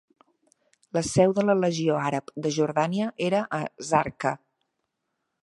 La seu de la Legió Àrab de Jordània era a Zarqa.